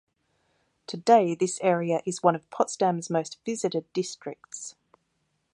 Today, this area is one of Potsdam's most visited districts.